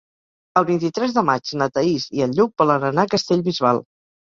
El vint-i-tres de maig na Thaís i en Lluc volen anar a Castellbisbal.